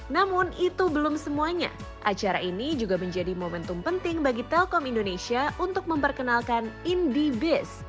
namun itu belum semuanya acara ini juga menjadi momentum penting bagi telkom indonesia untuk memperkenalkan indivis